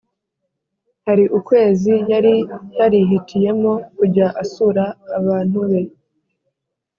Hari ukwezi yari yarihitiyemo kujya asura abntu be